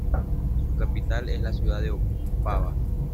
Su capital es la ciudad de Opava.